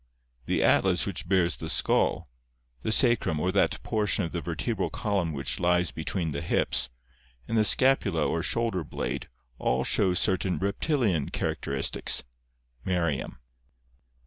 The atlas which bears the skull, the sacrum or that portion of the vertebral column which lies between the hips, and the scapula or shoulder blade all show certain reptilian char acteristics (Merriam).